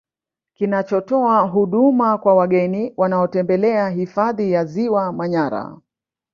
Kinachotoa huduma kwa wageni wanaotembelea hifadhi ya Ziwa Manyara